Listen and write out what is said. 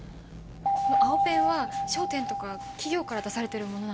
青ペンは商店とか企業から出されてるものなんです。